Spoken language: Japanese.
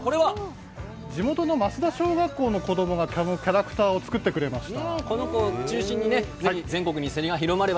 地元の小学校の子供がキャラクターを作ってくれました。